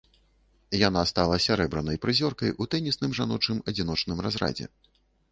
Яна стала сярэбранай прызёркай у тэнісным жаночым адзіночным разрадзе.